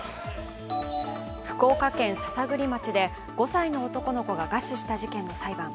福岡県篠栗町で５歳の男の子が餓死した事件の裁判。